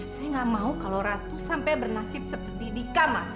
saya nggak mau kalau ratu sampai bernasib seperti dika mas